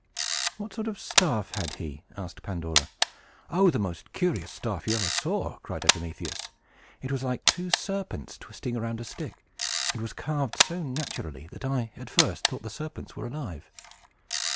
"What sort of a staff had he?" asked Pandora. "Oh, the most curious staff you ever saw!" cried Epimetheus. "It was like two serpents twisting around a stick, and was carved so naturally that I, at first, thought the serpents were alive."